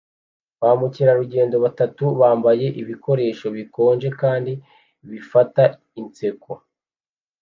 Ba mukerarugendo batatu bambaye ibikoresho bikonje kandi bifata inseko